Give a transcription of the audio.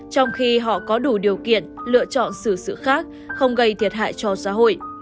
trong khi họ có đủ điều kiện lựa chọn xử sự khác không gây thiệt hại cho xã hội